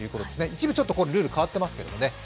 一部ルール変わっていますけれどもね。